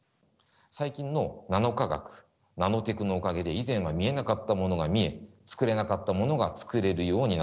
最近のナノ科学・ナノテクのおかげで以前は見えなかったものが見え作れなかったものが作れるようになってきました。